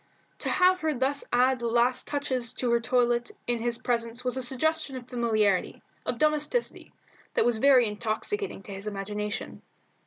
To have her thus add the last touches to her toilet in his presence was a suggestion of familiarity, of domesticity, that was very intoxicating to his imagination.